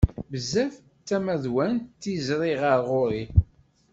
Bezzaf d tamadwant tiẓri ɣer ɣur-i.